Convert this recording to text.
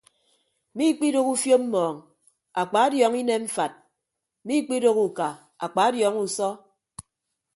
Miikpidooho ufiop mmọọñ akpadiọọñọ inem mfat miikpidooho uka akpadiọọñọ usọ.